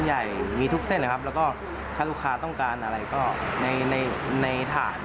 หรือผลักษณะออกได้